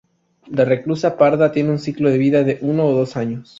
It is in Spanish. La reclusa parda tiene un ciclo de vida de uno a dos años.